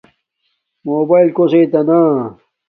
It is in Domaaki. موباݵل کوسݵ تانا